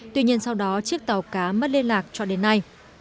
tuy nhiên sau đó chiếc tàu cá mất liên lạc cho đến nay